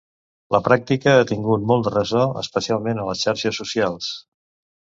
La pràctica ha tingut molt de ressò especialment a les xarxes socials.